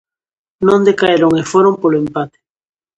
Non decaeron e foron polo empate.